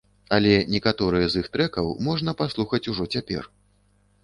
Але некаторыя з іх трэкаў можна паслухаць ужо цяпер.